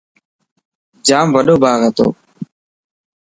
ڄام وڏو باغ هتو.